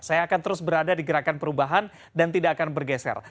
saya akan terus berada di gerakan perubahan dan tidak akan bergeser